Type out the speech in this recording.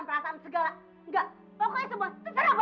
di mana sih hati hati nurani bu